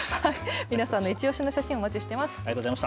皆さんのいちオシの写真お待ちしています。